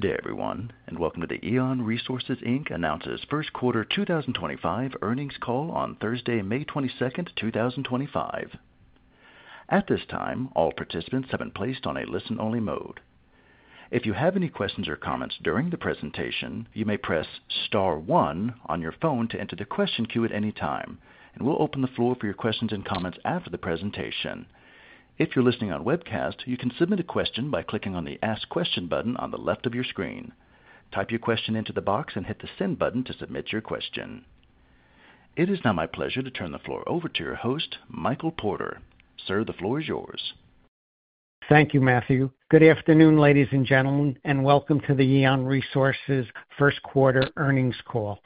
Good day, everyone, and welcome to the EON Resources announces first-quarter 2025 earnings call on Thursday, May 22nd, 2025. At this time, all participants have been placed on a listen-only mode. If you have any questions or comments during the presentation, you may press Star 1 on your phone to enter the question queue at any time, and we will open the floor for your questions and comments after the presentation. If you are listening on webcast, you can submit a question by clicking on the "Ask Question" button on the left of your screen. Type your question into the box and hit the "Send" button to submit your question. It is now my pleasure to turn the floor over to your host, Michael Porter. Sir, the floor is yours. Thank you, Matthew. Good afternoon, ladies and gentlemen, and welcome to the EON Resources first-quarter earnings call.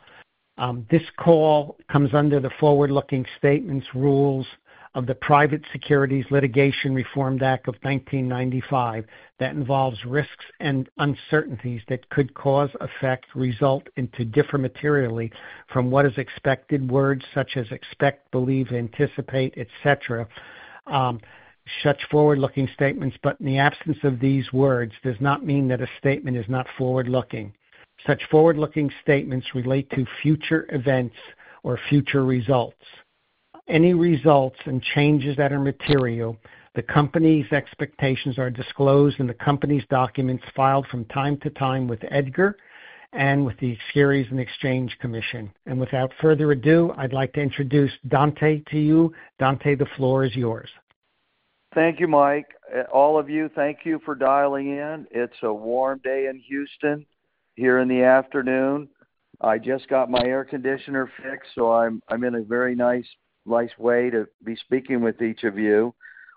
This call comes under the forward-looking statements rules of the Private Securities Litigation Reform Act of 1995. That involves risks and uncertainties that could cause, affect, result, and to differ materially from what is expected. Words such as expect, believe, anticipate, et cetera, such forward-looking statements, but in the absence of these words, does not mean that a statement is not forward-looking. Such forward-looking statements relate to future events or future results. Any results and changes that are material, the company's expectations are disclosed in the company's documents filed from time to time with EDGAR and with the Securities and Exchange Commission. Without further ado, I'd like to introduce Dante to you. Dante, the floor is yours. Thank you, Mike. All of you, thank you for dialing in. It's a warm day in Houston here in the afternoon. I just got my air conditioner fixed, so I'm in a very nice way to be speaking with each of you.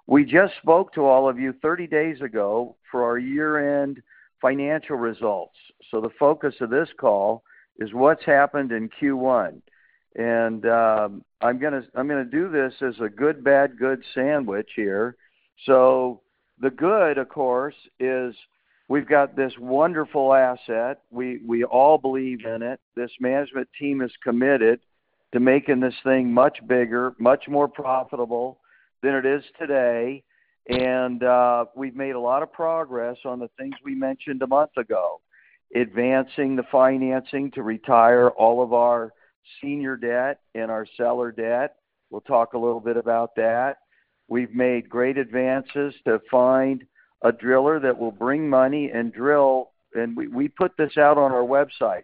We just spoke to all of you 30 days ago for our year-end financial results. The focus of this call is what's happened in Q1. I'm going to do this as a good-bad-good sandwich here. The good, of course, is we've got this wonderful asset. We all believe in it. This management team is committed to making this thing much bigger, much more profitable than it is today. We've made a lot of progress on the things we mentioned a month ago, advancing the financing to retire all of our senior debt and our seller debt. We'll talk a little bit about that. We've made great advances to find a driller that will bring money and drill. We put this out on our website,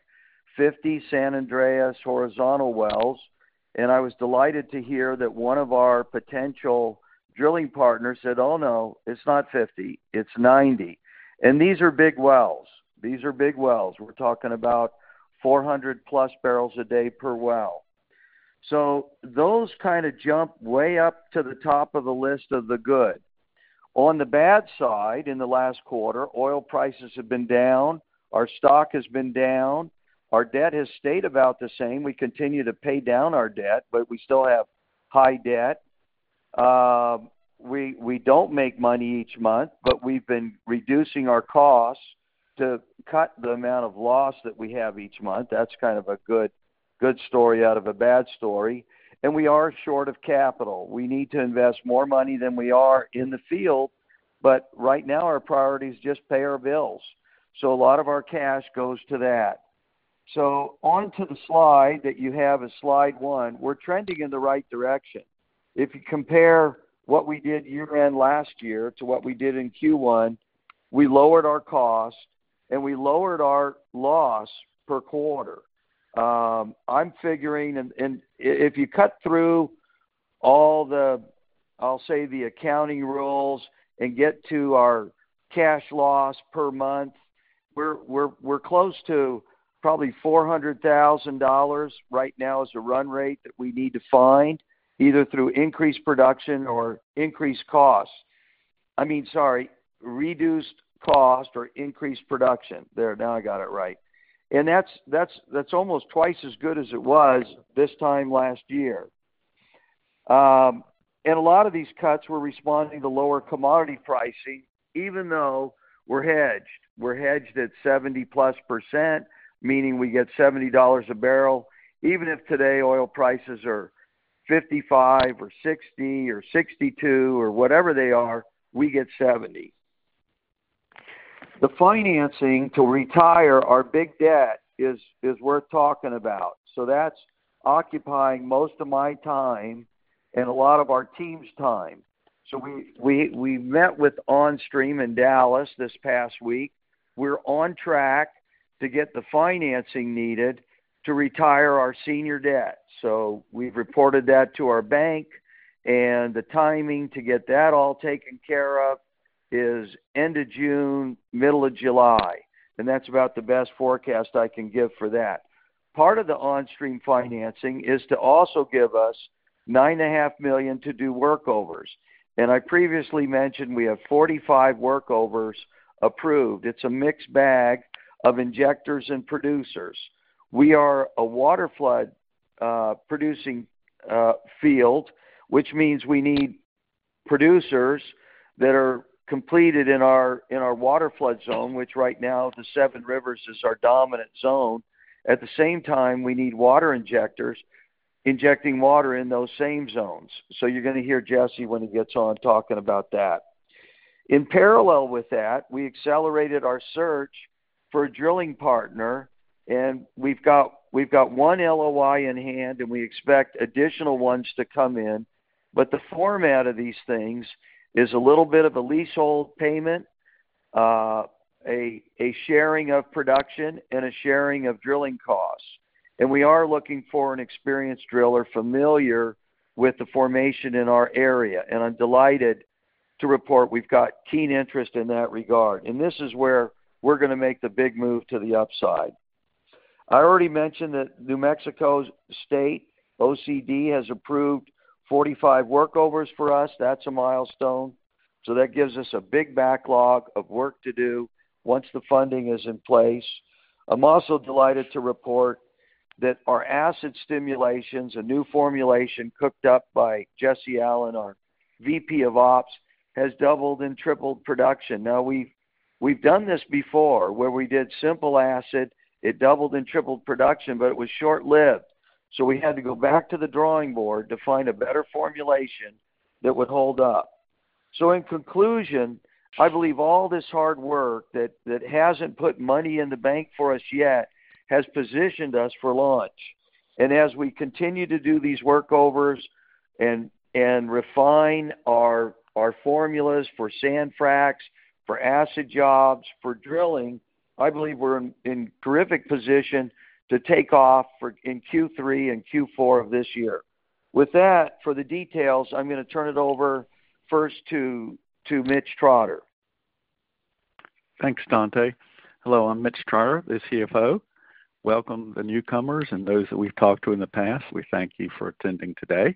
50 San Andres horizontal wells. I was delighted to hear that one of our potential drilling partners said, "Oh, no, it's not 50. It's 90." These are big wells. These are big wells. We're talking about 400-plus barrels a day per well. Those kind of jump way up to the top of the list of the good. On the bad side, in the last quarter, oil prices have been down. Our stock has been down. Our debt has stayed about the same. We continue to pay down our debt, but we still have high debt. We don't make money each month, but we've been reducing our costs to cut the amount of loss that we have each month. That's kind of a good story out of a bad story. We are short of capital. We need to invest more money than we are in the field. Right now, our priority is just pay our bills. A lot of our cash goes to that. Onto the slide that you have as Slide 1, we're trending in the right direction. If you compare what we did year-end last year to what we did in Q1, we lowered our cost and we lowered our loss per quarter. I'm figuring, and if you cut through all the, I'll say, the accounting rules and get to our cash loss per month, we're close to probably $400,000 right now as a run rate that we need to find either through increased production or increased cost. I mean, sorry, reduced cost or increased production. There, now I got it right. That's almost twice as good as it was this time last year. A lot of these cuts were responding to lower commodity pricing, even though we're hedged. We're hedged at 70% plus, meaning we get $70 a barrel. Even if today oil prices are $55 or $60 or $62 or whatever they are, we get $70. The financing to retire our big debt is worth talking about. That's occupying most of my time and a lot of our team's time. We met with OnStream in Dallas this past week. We're on track to get the financing needed to retire our senior debt. We've reported that to our bank. The timing to get that all taken care of is end of June, middle of July. That's about the best forecast I can give for that. Part of the OnStream financing is to also give us $9.5 million to do workovers. I previously mentioned we have 45 workovers approved. It's a mixed bag of injectors and producers. We are a water flood-producing field, which means we need producers that are completed in our water flood zone, which right now the Seven Rivers is our dominant zone. At the same time, we need water injectors injecting water in those same zones. You're going to hear Jesse when he gets on talking about that. In parallel with that, we accelerated our search for a drilling partner. We've got one LOI in hand, and we expect additional ones to come in. The format of these things is a little bit of a leasehold payment, a sharing of production, and a sharing of drilling costs. We are looking for an experienced driller familiar with the formation in our area. I'm delighted to report we've got keen interest in that regard. This is where we're going to make the big move to the upside. I already mentioned that New Mexico Oil Conservation Division has approved 45 workovers for us. That's a milestone. That gives us a big backlog of work to do once the funding is in place. I'm also delighted to report that our acid stimulations, a new formulation cooked up by Jesse Allen, our VP of Operations, has doubled and tripled production. Now, we've done this before where we did simple acid. It doubled and tripled production, but it was short-lived. We had to go back to the drawing board to find a better formulation that would hold up. In conclusion, I believe all this hard work that has not put money in the bank for us yet has positioned us for launch. As we continue to do these workovers and refine our formulas for sand fracs, for acid jobs, for drilling, I believe we are in a terrific position to take off in Q3 and Q4 of this year. With that, for the details, I am going to turn it over first to Mitch Trotter. Thanks, Dante. Hello, I'm Mitch Trotter, the CFO. Welcome the newcomers and those that we've talked to in the past. We thank you for attending today.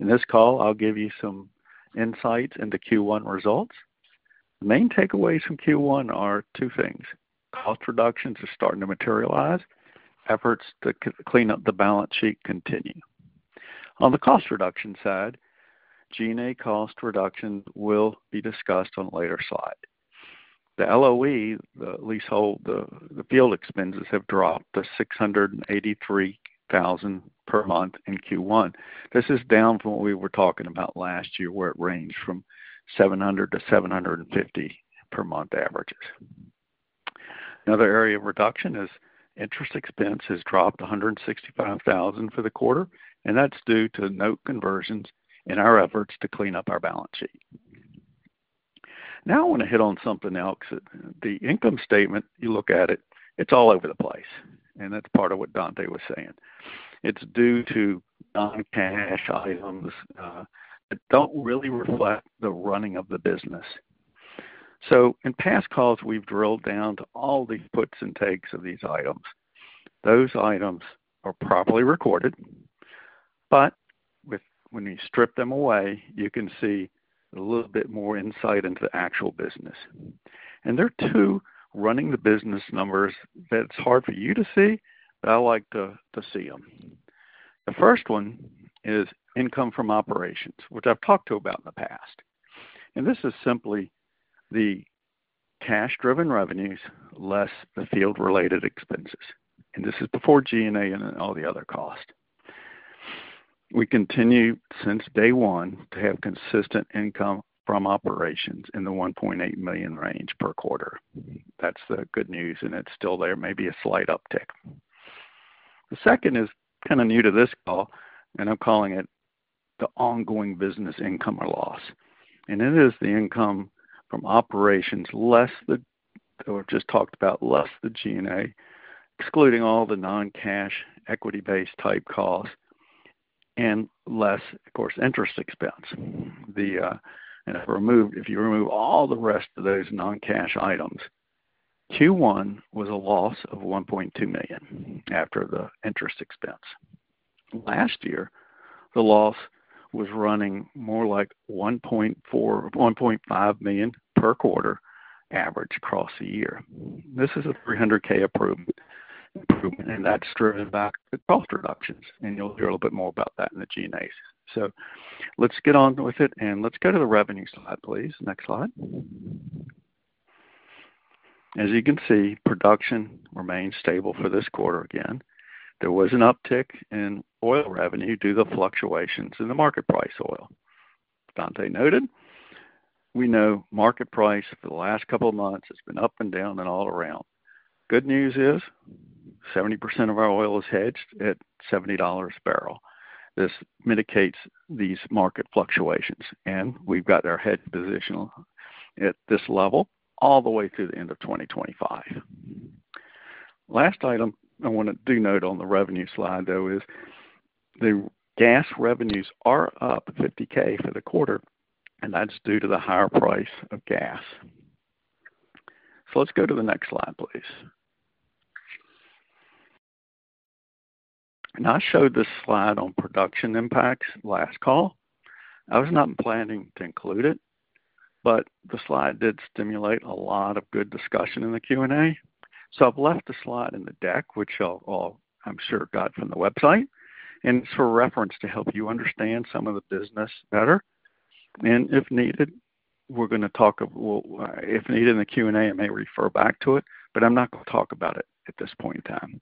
In this call, I'll give you some insights into Q1 results. The main takeaways from Q1 are two things. Cost reductions are starting to materialize. Efforts to clean up the balance sheet continue. On the cost reduction side, G&A cost reductions will be discussed on a later slide. The LOE, the leasehold, the field expenses have dropped to $683,000 per month in Q1. This is down from what we were talking about last year, where it ranged from $700,000-$750,000 per month averages. Another area of reduction is interest expense has dropped to $165,000 for the quarter. That's due to note conversions in our efforts to clean up our balance sheet. Now, I want to hit on something else that the income statement, you look at it, it's all over the place. That is part of what Dante was saying. It is due to non-cash items that do not really reflect the running of the business. In past calls, we have drilled down to all the puts and takes of these items. Those items are properly recorded. When you strip them away, you can see a little bit more insight into the actual business. There are two running-the-business numbers that it is hard for you to see, but I like to see them. The first one is income from operations, which I have talked to about in the past. This is simply the cash-driven revenues less the field-related expenses. This is before G&A and all the other costs. We continue since day one to have consistent income from operations in the $1.8 million range per quarter. That's the good news, and it's still there, maybe a slight uptick. The second is kind of new to this call, and I'm calling it the ongoing business income or loss. It is the income from operations less the, or just talked about less the G&A, excluding all the non-cash equity-based type costs, and less, of course, interest expense. If you remove all the rest of those non-cash items, Q1 was a loss of $1.2 million after the interest expense. Last year, the loss was running more like $1.5 million per quarter average across the year. This is a $300,000 improvement, and that's driven back to cost reductions. You'll hear a little bit more about that in the G&As. Let's get on with it, and let's go to the revenue slide, please. Next slide. As you can see, production remains stable for this quarter again. There was an uptick in oil revenue due to the fluctuations in the market price oil. Dante noted, we know market price for the last couple of months has been up and down and all around. Good news is 70% of our oil is hedged at $70 a barrel. This mitigates these market fluctuations. We've got our hedge position at this level all the way through the end of 2025. Last item I want to do note on the revenue slide, though, is the gas revenues are up $50,000 for the quarter, and that's due to the higher price of gas. Let's go to the next slide, please. I showed this slide on production impacts last call. I was not planning to include it, but the slide did stimulate a lot of good discussion in the Q&A. I have left a slide in the deck, which I am sure you got from the website. It is for reference to help you understand some of the business better. If needed, we are going to talk, if needed in the Q&A, I may refer back to it, but I am not going to talk about it at this point in time.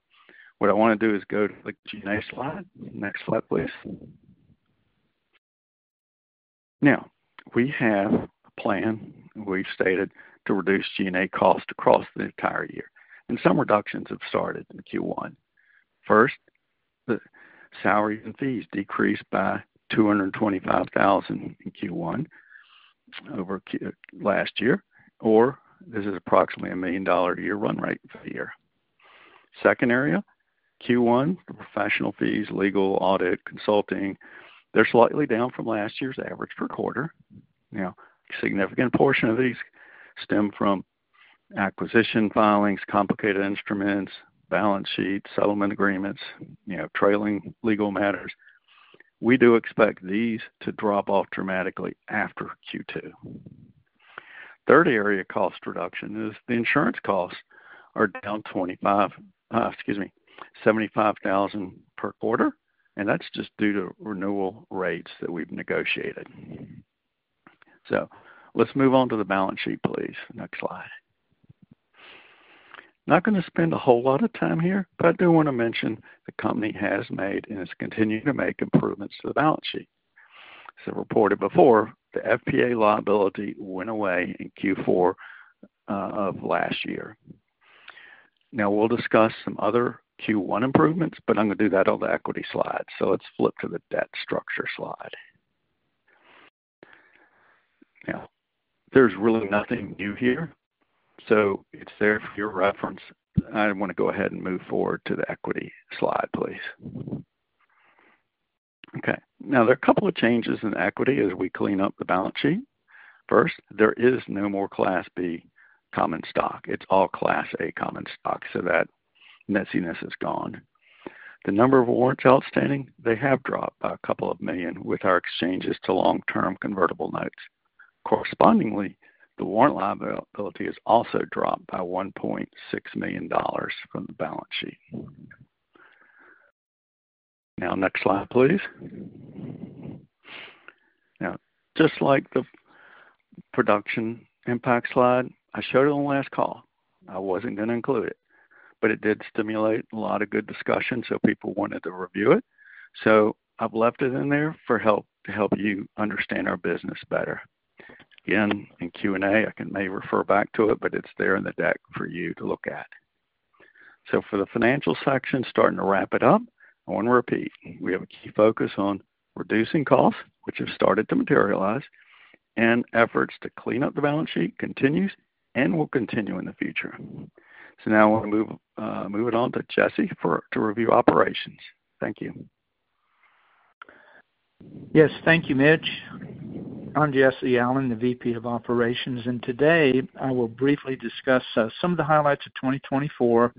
What I want to do is go to the G&A slide. Next slide, please. Now, we have a plan, we have stated, to reduce G&A costs across the entire year. Some reductions have started in Q1. First, salaries and fees decreased by $225,000 in Q1 over last year, or this is approximately a $1 million year-run rate for the year. Second area, Q1, professional fees, legal, audit, consulting, they're slightly down from last year's average per quarter. Now, a significant portion of these stem from acquisition filings, complicated instruments, balance sheets, settlement agreements, trailing legal matters. We do expect these to drop off dramatically after Q2. Third area of cost reduction is the insurance costs are down $25,000, excuse me, $75,000 per quarter. That's just due to renewal rates that we've negotiated. Let's move on to the balance sheet, please. Next slide. Not going to spend a whole lot of time here, but I do want to mention the company has made and is continuing to make improvements to the balance sheet. As I reported before, the FPA liability went away in Q4 of last year. Now, we'll discuss some other Q1 improvements, but I'm going to do that on the equity slide. Let's flip to the debt structure slide. Now, there's really nothing new here. It's there for your reference. I want to go ahead and move forward to the equity slide, please. Okay. Now, there are a couple of changes in equity as we clean up the balance sheet. First, there is no more Class B common stock. It's all Class A common stock, so that messiness is gone. The number of warrants outstanding, they have dropped by a couple of million with our exchanges to long-term convertible notes. Correspondingly, the warrant liability has also dropped by $1.6 million from the balance sheet. Next slide, please. Now, just like the production impact slide, I showed it on the last call. I wasn't going to include it, but it did stimulate a lot of good discussion, so people wanted to review it. I've left it in there to help you understand our business better. Again, in Q&A, I can maybe refer back to it, but it's there in the deck for you to look at. For the financial section, starting to wrap it up, I want to repeat. We have a key focus on reducing costs, which have started to materialize, and efforts to clean up the balance sheet continues and will continue in the future. I want to move it on to Jesse to review operations. Thank you. Yes, thank you, Mitch. I'm Jesse Allen, the VP of Operations. Today, I will briefly discuss some of the highlights of 2024.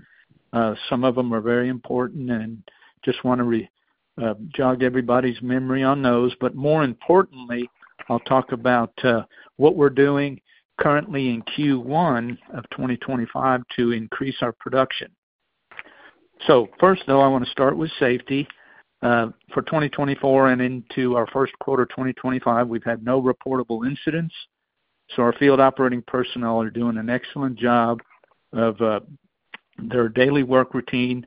Some of them are very important and just want to jog everybody's memory on those. More importantly, I'll talk about what we're doing currently in Q1 of 2025 to increase our production. First, though, I want to start with safety. For 2024 and into our first quarter of 2025, we've had no reportable incidents. Our field operating personnel are doing an excellent job of their daily work routine,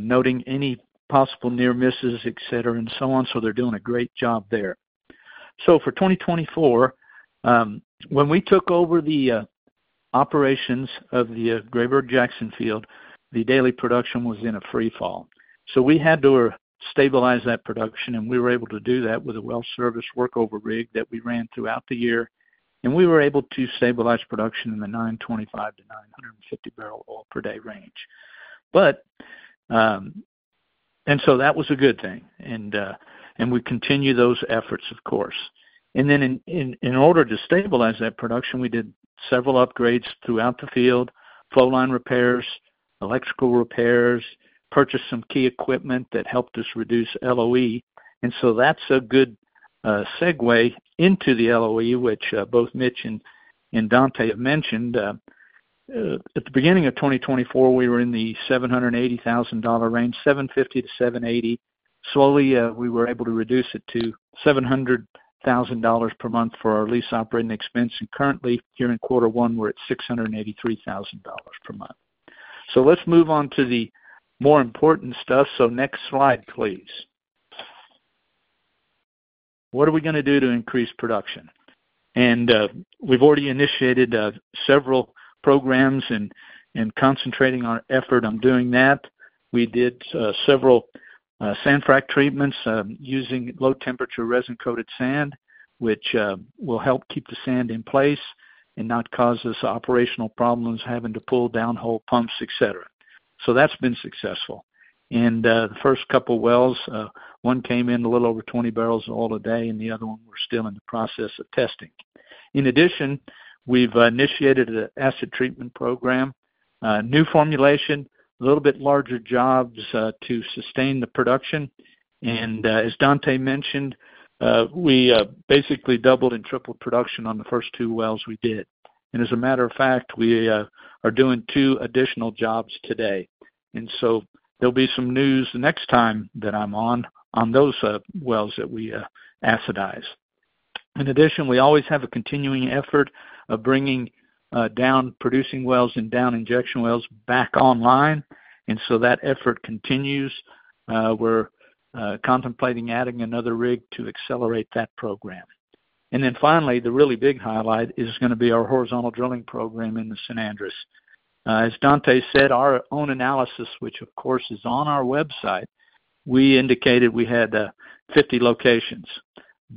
noting any possible near misses, etc., and so on. They're doing a great job there. For 2024, when we took over the operations of the Graybird Jackson field, the daily production was in a freefall. We had to stabilize that production, and we were able to do that with a well-serviced workover rig that we ran throughout the year. We were able to stabilize production in the $925,000-$950,000 per day range. That was a good thing. We continue those efforts, of course. In order to stabilize that production, we did several upgrades throughout the field, flow line repairs, electrical repairs, purchased some key equipment that helped us reduce LOE. That is a good segue into the LOE, which both Mitch and Dante have mentioned. At the beginning of 2024, we were in the $750,000-$780,000 range. Slowly, we were able to reduce it to $700,000 per month for our lease operating expense. Currently, here in Quarter one, we are at $683,000 per month. Let's move on to the more important stuff. Next slide, please. What are we going to do to increase production? We have already initiated several programs and are concentrating our effort on doing that. We did several sand frac treatments using low-temperature resin-coated sand, which will help keep the sand in place and not cause us operational problems having to pull down hole pumps, etc. That has been successful. In the first couple of wells, one came in a little over 20 barrels oil today, and the other one we are still in the process of testing. In addition, we have initiated an acid treatment program, new formulation, a little bit larger jobs to sustain the production. As Dante mentioned, we basically doubled and tripled production on the first two wells we did. As a matter of fact, we are doing two additional jobs today. There will be some news next time that I'm on those wells that we acidize. In addition, we always have a continuing effort of bringing down producing wells and down injection wells back online. That effort continues. We're contemplating adding another rig to accelerate that program. Finally, the really big highlight is going to be our horizontal drilling program in the San Andres. As Dante said, our own analysis, which of course is on our website, we indicated we had 50 locations.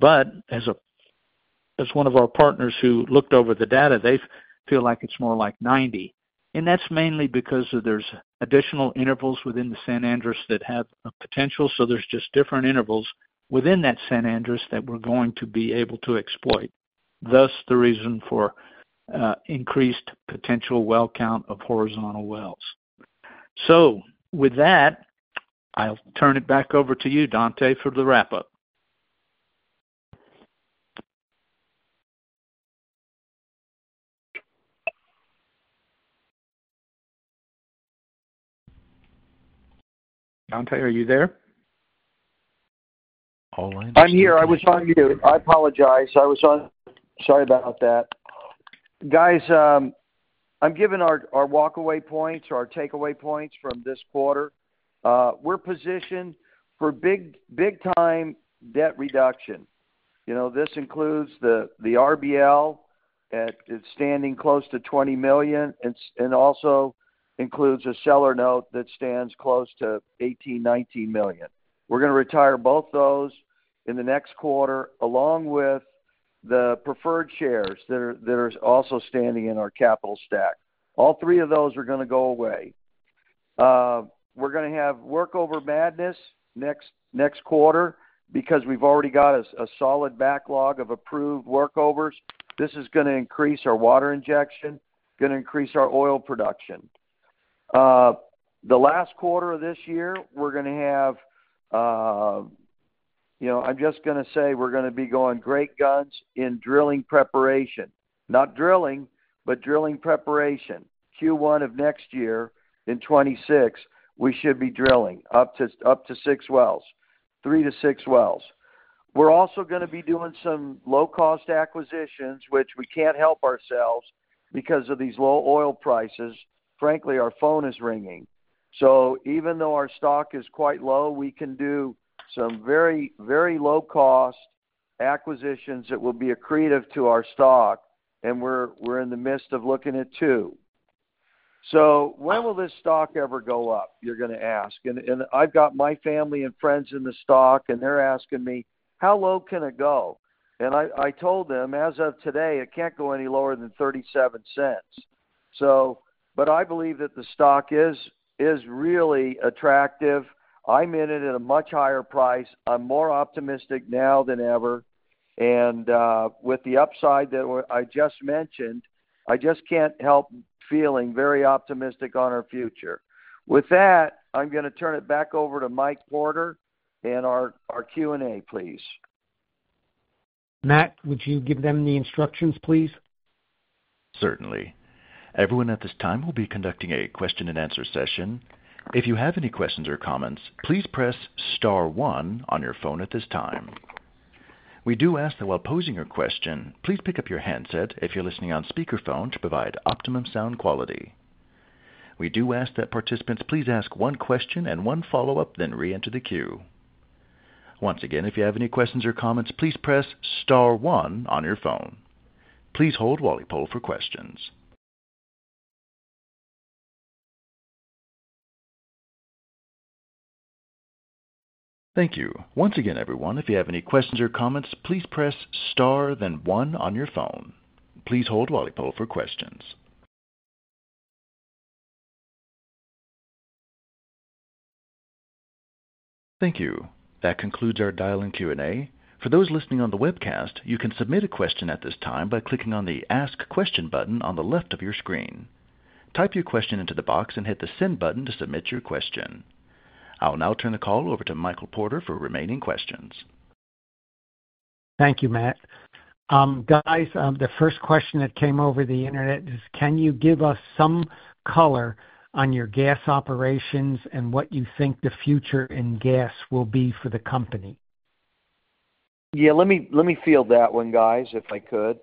As one of our partners who looked over the data, they feel like it's more like 90. That's mainly because there's additional intervals within the San Andres that have potential. There are just different intervals within that San Andres that we're going to be able to exploit. Thus, the reason for increased potential well count of horizontal wells. With that, I'll turn it back over to you, Dante, for the wrap-up. Dante, are you there? I'm here. I was on mute. I apologize. I was on mute. Sorry about that. Guys, I'm giving our walkaway points or our takeaway points from this quarter. We're positioned for big-time debt reduction. This includes the RBL that is standing close to $20 million and also includes a seller note that stands close to $18 million-$19 million. We're going to retire both those in the next quarter along with the preferred shares that are also standing in our capital stack. All three of those are going to go away. We're going to have workover madness next quarter because we've already got a solid backlog of approved workovers. This is going to increase our water injection, going to increase our oil production. The last quarter of this year, we're going to have, I'm just going to say we're going to be going great guns in drilling preparation. Not drilling, but drilling preparation. Q1 of next year in 2026, we should be drilling up to six wells, three to six wells. We're also going to be doing some low-cost acquisitions, which we can't help ourselves because of these low oil prices. Frankly, our phone is ringing. Even though our stock is quite low, we can do some very, very low-cost acquisitions that will be accretive to our stock. We're in the midst of looking at two. When will this stock ever go up, you're going to ask? I've got my family and friends in the stock, and they're asking me, "How low can it go?" I told them, as of today, it can't go any lower than $0.37. I believe that the stock is really attractive. I'm in it at a much higher price. I'm more optimistic now than ever. With the upside that I just mentioned, I just can't help feeling very optimistic on our future. With that, I'm going to turn it back over to Mike Porter and our Q&A, please. Matt, would you give them the instructions, please? Certainly. Everyone at this time will be conducting a question-and-answer session. If you have any questions or comments, please press star one on your phone at this time. We do ask that while posing your question, please pick up your handset if you're listening on speakerphone to provide optimum sound quality. We do ask that participants please ask one question and one follow-up, then re-enter the queue. Once again, if you have any questions or comments, please press star one on your phone. Please hold while we pull for questions. Thank you. Once again, everyone, if you have any questions or comments, please press star, then one on your phone. Please hold while we pull for questions. Thank you. That concludes our dial-in Q&A. For those listening on the webcast, you can submit a question at this time by clicking on the ask question button on the left of your screen. Type your question into the box and hit the send button to submit your question. I'll now turn the call over to Michael Porter for remaining questions. Thank you, Matt. Guys, the first question that came over the internet is, "Can you give us some color on your gas operations and what you think the future in gas will be for the company? Yeah, let me field that one, guys, if I could.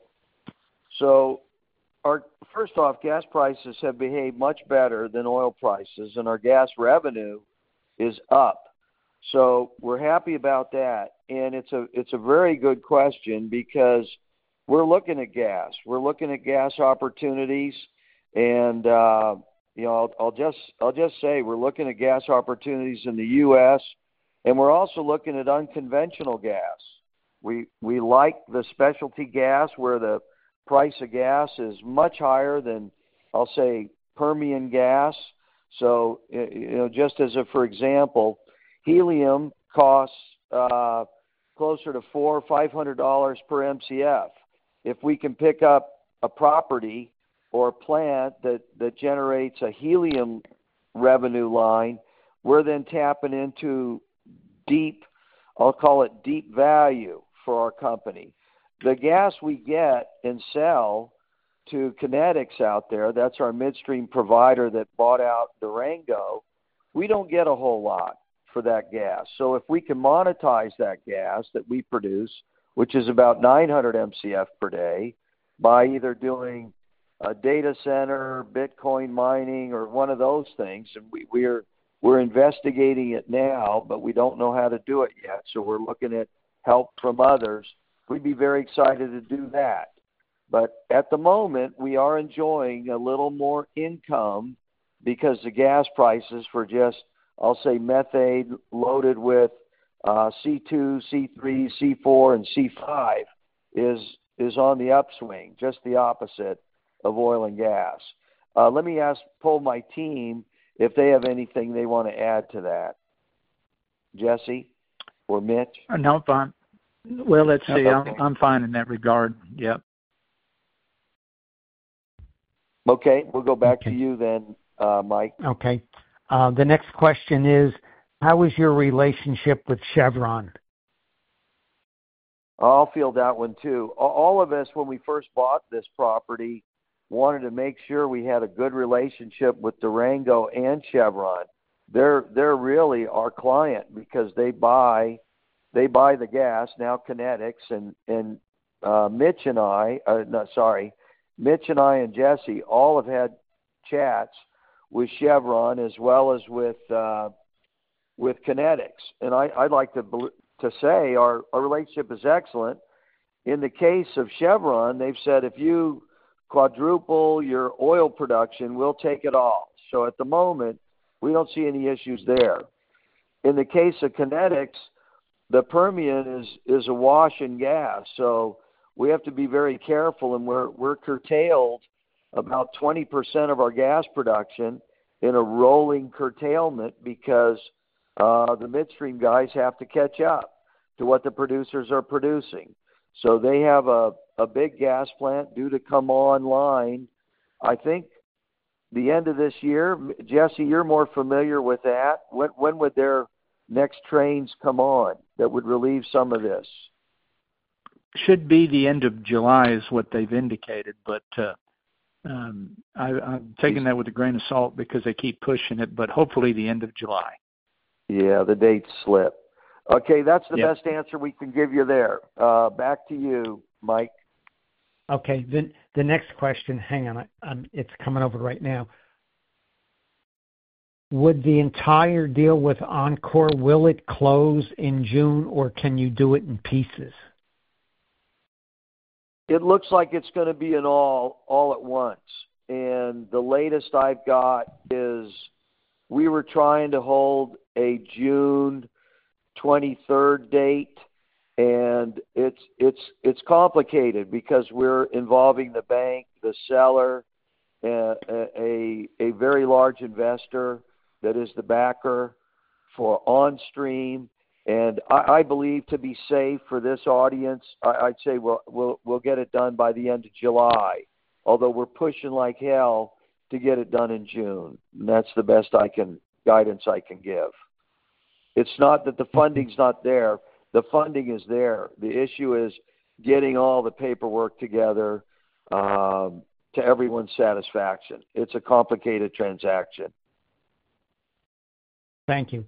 First off, gas prices have behaved much better than oil prices, and our gas revenue is up. We're happy about that. It's a very good question because we're looking at gas. We're looking at gas opportunities. I'll just say we're looking at gas opportunities in the U.S., and we're also looking at unconventional gas. We like the specialty gas where the price of gas is much higher than, I'll say, Permian gas. Just as a for example, helium costs closer to $400-$500 per MCF. If we can pick up a property or a plant that generates a helium revenue line, we're then tapping into deep, I'll call it deep value for our company. The gas we get and sell to Kinetics out there, that's our midstream provider that bought out Durango, we don't get a whole lot for that gas. If we can monetize that gas that we produce, which is about 900 MCF per day, by either doing a data center, Bitcoin mining, or one of those things, we're investigating it now, but we don't know how to do it yet. We're looking at help from others. We'd be very excited to do that. At the moment, we are enjoying a little more income because the gas prices for just, I'll say, methane loaded with C2, C3, C4, and C5 is on the upswing, just the opposite of oil and gas. Let me ask, pull my team if they have anything they want to add to that. Jesse or Mitch? No, I'm fine. Let's see. I'm fine in that regard. Yep. Okay. We'll go back to you then, Mike. Okay. The next question is, "How is your relationship with Chevron? I'll field that one too. All of us, when we first bought this property, wanted to make sure we had a good relationship with Durango and Chevron. They're really our client because they buy the gas, now Kinetics. Mitch and I and Jesse all have had chats with Chevron as well as with Kinetics. I'd like to say our relationship is excellent. In the case of Chevron, they've said, "If you quadruple your oil production, we'll take it all." At the moment, we don't see any issues there. In the case of Kinetics, the Permian is a wash in gas. We have to be very careful, and we're curtailed about 20% of our gas production in a rolling curtailment because the midstream guys have to catch up to what the producers are producing. They have a big gas plant due to come online, I think, the end of this year. Jesse, you're more familiar with that. When would their next trains come on that would relieve some of this? Should be the end of July is what they've indicated, but I'm taking that with a grain of salt because they keep pushing it, hopefully the end of July. Yeah, the dates slip. Okay. That's the best answer we can give you there. Back to you, Mike. Okay. The next question. Hang on. It's coming over right now. Would the entire deal with Encore, will it close in June, or can you do it in pieces? It looks like it's going to be an all at once. The latest I've got is we were trying to hold a June 23rd date, and it's complicated because we're involving the bank, the seller, a very large investor that is the backer for OnStream. I believe, to be safe for this audience, I'd say we'll get it done by the end of July, although we're pushing like hell to get it done in June. That's the best guidance I can give. It's not that the funding's not there. The funding is there. The issue is getting all the paperwork together to everyone's satisfaction. It's a complicated transaction. Thank you.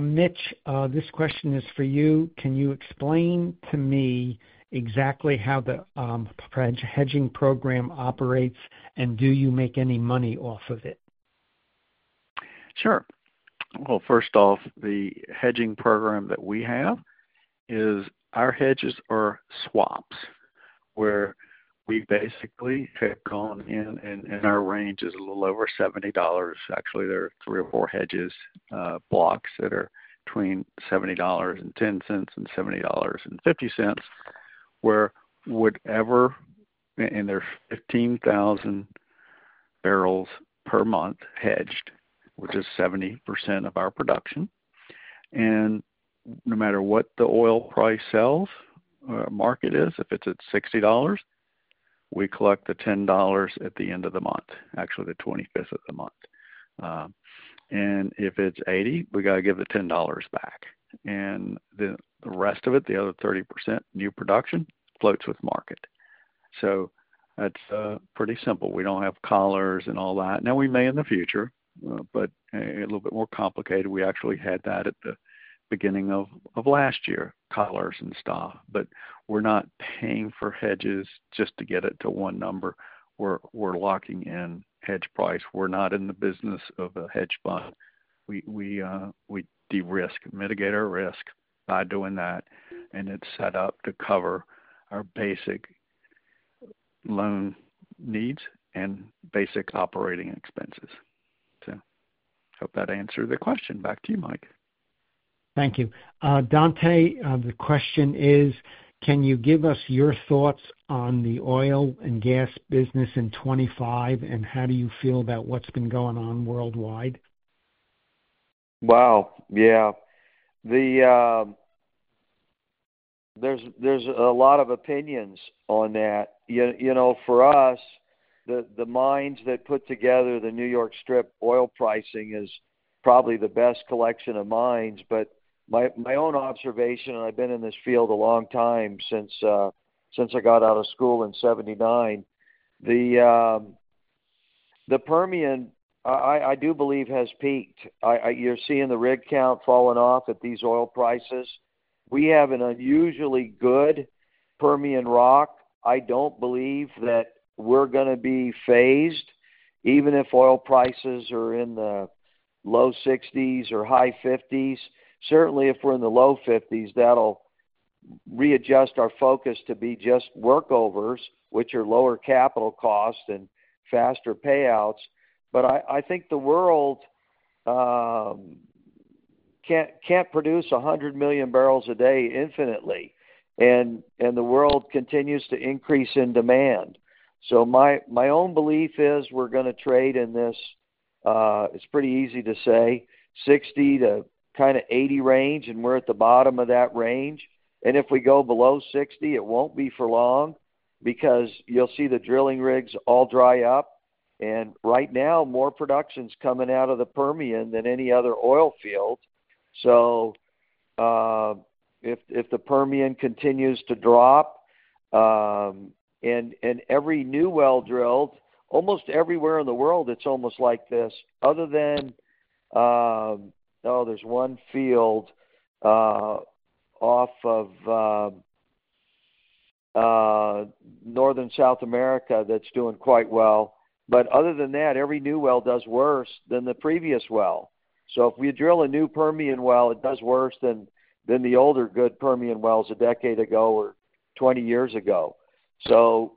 Mitch, this question is for you. Can you explain to me exactly how the hedging program operates, and do you make any money off of it? Sure. First off, the hedging program that we have is our hedges are swaps, where we basically have gone in, and our range is a little over $70. Actually, there are three or four hedge blocks that are between $70.10 and $70.50, where whatever—and there's 15,000 barrels per month hedged, which is 70% of our production. No matter what the oil price sells or market is, if it's at $60, we collect the $10 at the end of the month, actually the 25th of the month. If it's 80, we got to give the $10 back. The rest of it, the other 30% new production, floats with market. It's pretty simple. We don't have collars and all that. We may in the future, but a little bit more complicated. We actually had that at the beginning of last year, collars and stuff. We're not paying for hedges just to get it to one number. We're locking in hedge price. We're not in the business of a hedge fund. We de-risk and mitigate our risk by doing that. It's set up to cover our basic loan needs and basic operating expenses. I hope that answered the question. Back to you, Mike. Thank you. Dante, the question is, "Can you give us your thoughts on the oil and gas business in 2025, and how do you feel about what's been going on worldwide? Wow. Yeah. There's a lot of opinions on that. For us, the minds that put together the New York Strip oil pricing is probably the best collection of minds. But my own observation, and I've been in this field a long time since I got out of school in 1979, the Permian, I do believe, has peaked. You're seeing the rig count falling off at these oil prices. We have an unusually good Permian rock. I don't believe that we're going to be phased, even if oil prices are in the low $60s or high $50s. Certainly, if we're in the low $50s, that'll readjust our focus to be just workovers, which are lower capital costs and faster payouts. But I think the world can't produce 100 million barrels a day infinitely, and the world continues to increase in demand. My own belief is we're going to trade in this—it's pretty easy to say—60 to kind of 80 range, and we're at the bottom of that range. If we go below 60, it won't be for long because you'll see the drilling rigs all dry up. Right now, more production's coming out of the Permian than any other oil field. If the Permian continues to drop, and every new well drilled, almost everywhere in the world, it's almost like this, other than—oh, there's one field off of Northern South America that's doing quite well. Other than that, every new well does worse than the previous well. If we drill a new Permian well, it does worse than the older good Permian wells a decade ago or 20 years ago.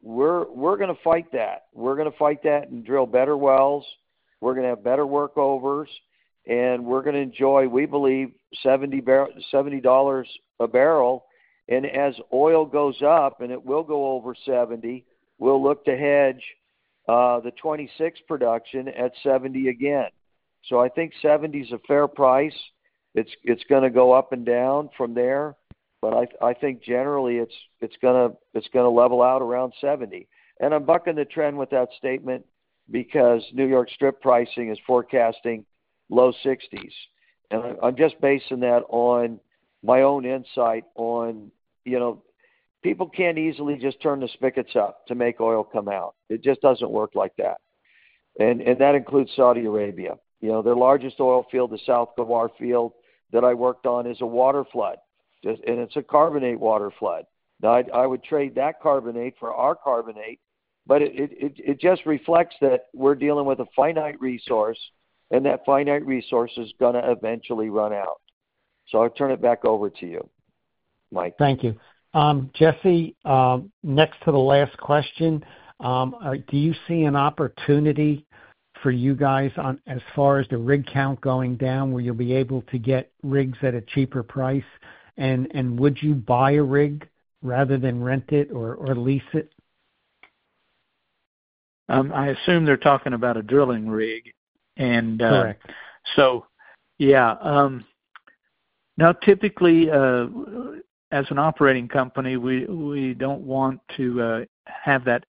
We're going to fight that. We're going to fight that and drill better wells. We're going to have better workovers, and we're going to enjoy, we believe, $70 a barrel. As oil goes up, and it will go over 70, we'll look to hedge the '26 production at 70 again. I think 70 is a fair price. It's going to go up and down from there. I think, generally, it's going to level out around 70. I'm bucking the trend with that statement because New York Strip pricing is forecasting low 60s. I'm just basing that on my own insight on people can't easily just turn the spigots up to make oil come out. It just doesn't work like that. That includes Saudi Arabia. Their largest oil field, the South Gawar field that I worked on, is a water flood. It's a carbonate water flood. Now, I would trade that carbonate for our carbonate, but it just reflects that we're dealing with a finite resource, and that finite resource is going to eventually run out. I will turn it back over to you, Mike. Thank you. Jesse, next to the last question, do you see an opportunity for you guys as far as the rig count going down, where you'll be able to get rigs at a cheaper price? Would you buy a rig rather than rent it or lease it? I assume they're talking about a drilling rig. Typically, as an operating company, we don't want to have that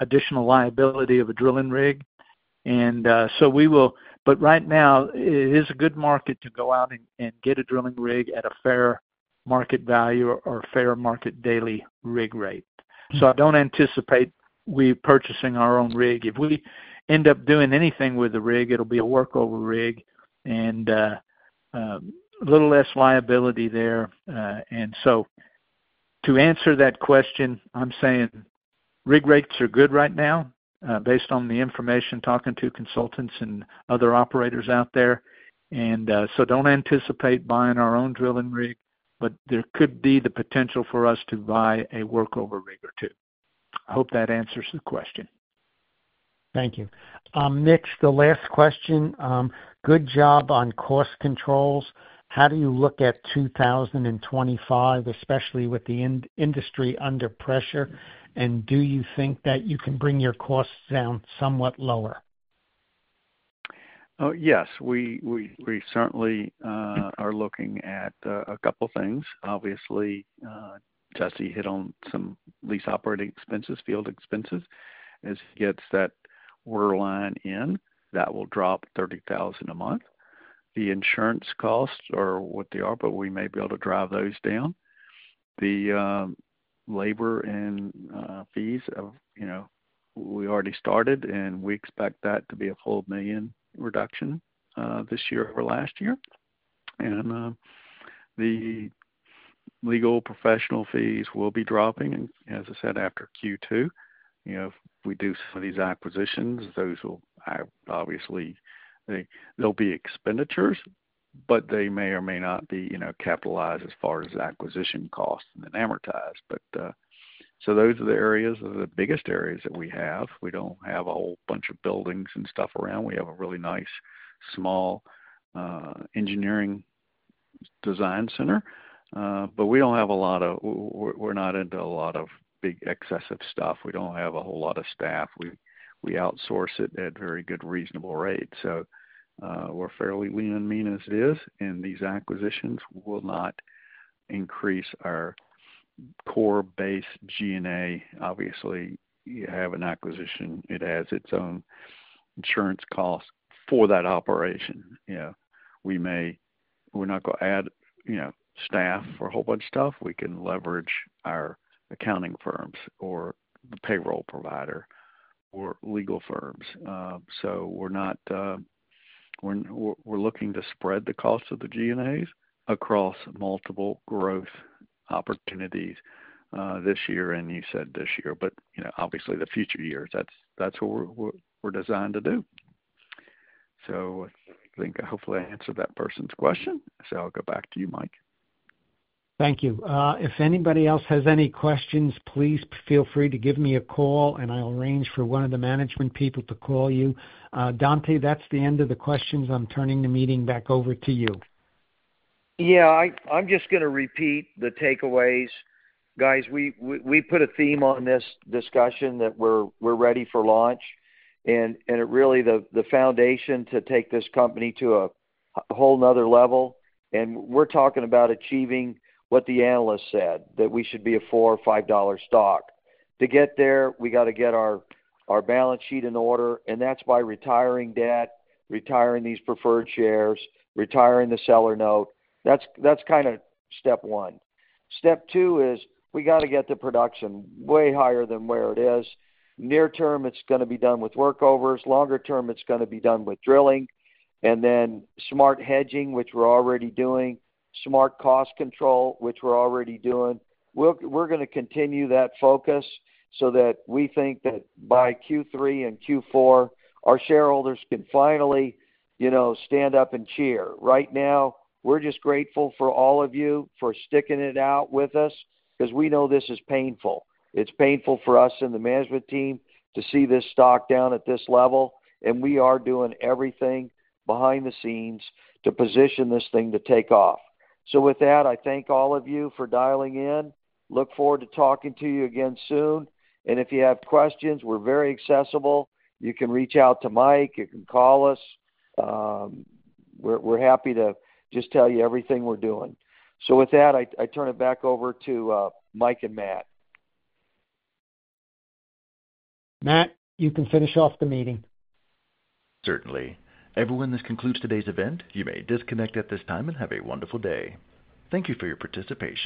additional liability of a drilling rig. Right now, it is a good market to go out and get a drilling rig at a fair market value or fair market daily rig rate. I don't anticipate we purchasing our own rig. If we end up doing anything with the rig, it'll be a workover rig and a little less liability there. To answer that question, I'm saying rig rates are good right now based on the information talking to consultants and other operators out there. I do not anticipate buying our own drilling rig, but there could be the potential for us to buy a workover rig or two. I hope that answers the question. Thank you. Mitch, the last question. Good job on cost controls. How do you look at 2025, especially with the industry under pressure? Do you think that you can bring your costs down somewhat lower? Yes. We certainly are looking at a couple of things. Obviously, Jesse hit on some Lease Operating Expenses, field expenses. As he gets that order line in, that will drop $30,000 a month. The insurance costs are what they are, but we may be able to drive those down. The labor and fees we already started, and we expect that to be a full $1 million reduction this year over last year. The legal professional fees will be dropping. As I said, after Q2, if we do some of these acquisitions, those will obviously be expenditures, but they may or may not be capitalized as far as acquisition costs and amortized. Those are the biggest areas that we have. We do not have a whole bunch of buildings and stuff around. We have a really nice small engineering design center, but we do not have a lot of—we are not into a lot of big excessive stuff. We do not have a whole lot of staff. We outsource it at very good reasonable rates. We are fairly lean and mean as it is. These acquisitions will not increase our core base G&A. Obviously, you have an acquisition. It has its own insurance costs for that operation. We may—we are not going to add staff or a whole bunch of stuff. We can leverage our accounting firms or the payroll provider or legal firms. We are looking to spread the cost of the G&As across multiple growth opportunities this year. You said this year, but obviously, the future years, that is what we are designed to do. I think I hopefully answered that person's question. I will go back to you, Mike. Thank you. If anybody else has any questions, please feel free to give me a call, and I'll arrange for one of the management people to call you. Dante, that's the end of the questions. I'm turning the meeting back over to you. Yeah. I'm just going to repeat the takeaways. Guys, we put a theme on this discussion that we're ready for launch. It really is the foundation to take this company to a whole other level. We're talking about achieving what the analyst said, that we should be a $4 or $5 stock. To get there, we got to get our balance sheet in order. That's by retiring debt, retiring these preferred shares, retiring the seller note. That's kind of step one. Step two is we got to get the production way higher than where it is. Near term, it's going to be done with workovers. Longer term, it's going to be done with drilling. Then smart hedging, which we're already doing, smart cost control, which we're already doing. We're going to continue that focus so that we think that by Q3 and Q4, our shareholders can finally stand up and cheer. Right now, we're just grateful for all of you for sticking it out with us because we know this is painful. It's painful for us and the management team to see this stock down at this level. We are doing everything behind the scenes to position this thing to take off. With that, I thank all of you for dialing in. Look forward to talking to you again soon. If you have questions, we're very accessible. You can reach out to Mike. You can call us. We're happy to just tell you everything we're doing. With that, I turn it back over to Mike and Matt. Matt, you can finish off the meeting. Certainly. Everyone, this concludes today's event. You may disconnect at this time and have a wonderful day. Thank you for your participation.